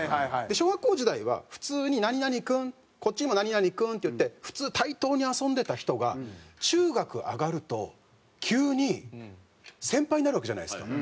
小学校時代は普通に「何々君」こっちにも「何々君」って言って普通対等に遊んでた人が中学上がると急に先輩になるわけじゃないですか。